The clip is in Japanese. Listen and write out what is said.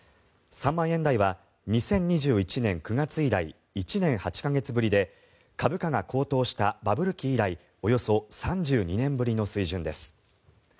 ３万円台は２０２１年９月以来１年８か月ぶりで株価が高騰したバブル期以来およそ３２年ぶりの水準です。